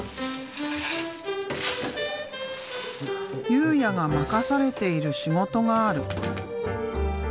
佑哉が任されている仕事がある。